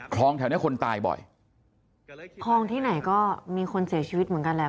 แถวเนี้ยคนตายบ่อยคลองที่ไหนก็มีคนเสียชีวิตเหมือนกันแหละ